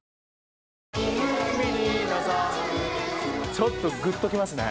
ちょっとぐっときますね。